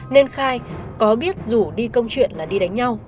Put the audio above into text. nên khai có biết rủ đi câu chuyện là đi đánh nhau